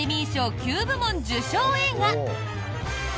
９部門受賞映画。